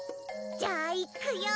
じゃあいっくよ！